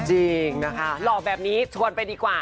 จริงนะคะหล่อแบบนี้ชวนไปดีกว่า